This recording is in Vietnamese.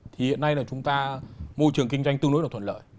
thì hiện nay là chúng ta môi trường kinh doanh tương đối là thuận lợi